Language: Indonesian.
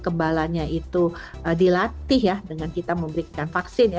kembalannya itu dilatih ya dengan kita memberikan vaksin ya